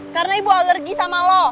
karena ibu alergi sama lo